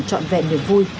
trọn vẹn nền vui